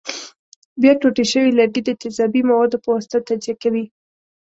بیا ټوټې شوي لرګي د تیزابي موادو په واسطه تجزیه کوي.